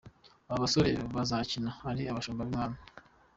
Aba basore bazakina ari abashumba b'ibwami.